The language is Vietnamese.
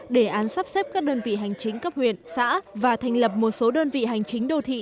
đề án sắp xếp các đơn vị hành chính cấp huyện xã và thành lập một số đơn vị hành chính đô thị